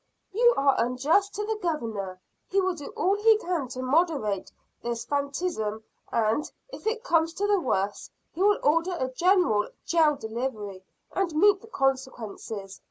"You are unjust to the Governor. He will do all he can to moderate this fanaticism; and, if it comes to the worst, he will order a general jail delivery, and meet the consequences.